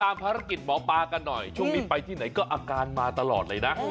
ภารกิจหมอปลากันหน่อยช่วงนี้ไปที่ไหนก็อาการมาตลอดเลยนะ